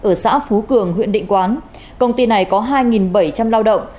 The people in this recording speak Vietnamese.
ở xã phú cường huyện định quán công ty này có hai bảy trăm linh lao động